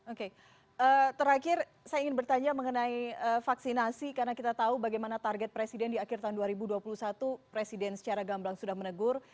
oke terakhir saya ingin bertanya mengenai vaksinasi karena kita tahu bagaimana target presiden di akhir tahun dua ribu dua puluh satu presiden secara gamblang sudah menegur